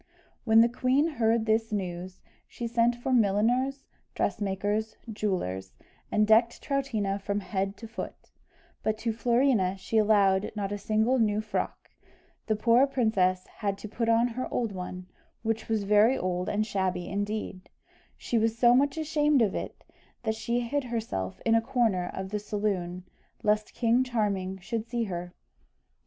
When the queen heard this news, she sent for milliners, dressmakers, jewellers, and decked Troutina from head to foot; but to Florina she allowed not a single new frock The poor princess had to put on her old one, which was very old and shabby indeed, she was so much ashamed of it, that she hid herself in a corner of the saloon, lest King Charming should see her.